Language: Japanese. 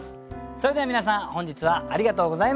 それでは皆さん本日はありがとうございました。